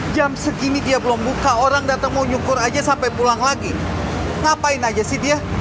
jam segini dia belum buka orang datang mau nyukur aja sampai pulang lagi ngapain aja sih dia